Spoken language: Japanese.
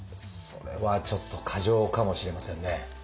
それはちょっと過剰かもしれませんね。